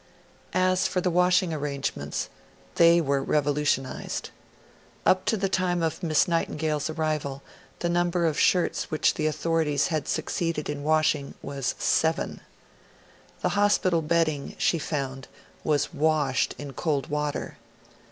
As for the washing arrangements, they were revolutionised. Up to the time of Miss Nightingale's arrival, the number of shirts the authorities had succeeded in washing was seven. The hospital bedding, she found, was 'washed' in cold water.